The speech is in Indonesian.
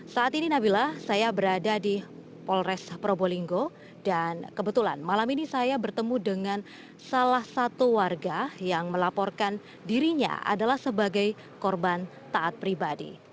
saat ini nabila saya berada di polres probolinggo dan kebetulan malam ini saya bertemu dengan salah satu warga yang melaporkan dirinya adalah sebagai korban taat pribadi